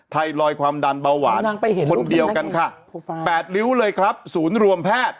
ไทรอยความดันเบาหวานคนเดียวกันค่ะ๘ริ้วเลยครับศูนย์รวมแพทย์